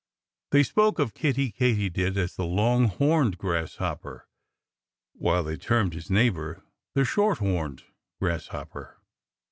They spoke of Kiddie Katydid as "the Long horned Grasshopper," while they termed his neighbor "the Short horned Grasshopper."